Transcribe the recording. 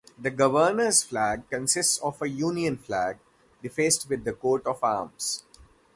The Governor's flag consists of a Union Flag defaced with the coat of arms.